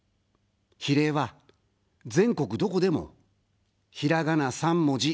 比例は、全国どこでも、ひらがな３文字。